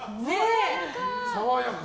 爽やか。